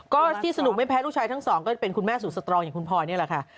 ก็ที่สรุปยังไม่แพ้ลูกชายทั้งสองก็เป็นคุณแม่ต้ายแทนเหมือนพอยนี่แหละค่ะ